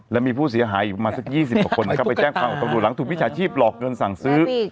แล้วมีผู้เสียหายอีกมาสัก๒๐บาทคนไปแจ้งความออกตัวหนูหลังถูกพิจารณาชีพหลอกเงินสั่งซื้อ